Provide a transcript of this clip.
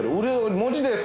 文字です。